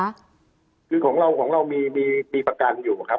คือของเรามีประกันอยู่ครับ